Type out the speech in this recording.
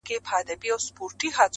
• له موږکه ځان ورک سوی دی غره دی..